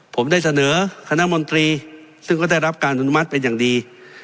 ผมได้เสนอคณะมนตรีซึ่งก็ได้รับการอนุมัติเป็นอย่างดี